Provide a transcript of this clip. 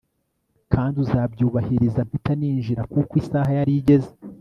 kandi uzabyubahiriza mpita ninjira kuko isaha yarigeze